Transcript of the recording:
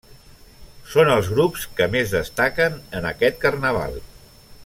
Són els grups que més destaquen en aquest Carnaval.